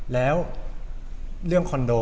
แล้วเรื่องคอนโด